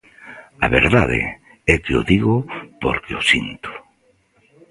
A verdade é que o digo porque o sinto.